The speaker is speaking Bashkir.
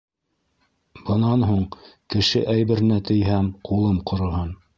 Бынан һуң кеше әйберенә тейһәм, ҡулым ҡороһон.